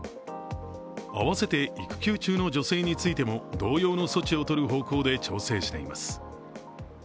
あわせて、育休中の女性についても同様の措置を取る方向で調整しています。